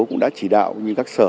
cũng đã chỉ đạo như các sở